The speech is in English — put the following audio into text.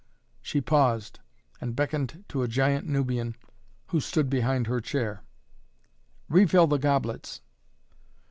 She paused and beckoned to a giant Nubian who stood behind her chair. "Refill the goblets!"